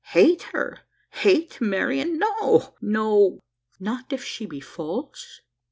"Hate her? hate Marian? No! no!" "Not if she be false?"